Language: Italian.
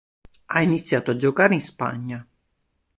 Ha iniziato a giocare in Spagna.